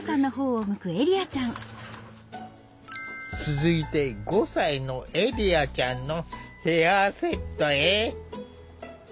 続いて５歳のエリアちゃんのヘアセットへ。